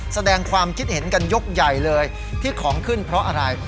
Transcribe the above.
แสดงความคิดเห็นกันยกใหญ่เลยที่ของขึ้นเพราะอะไร